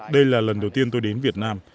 đây là lần đầu tiên tôi đến việt nam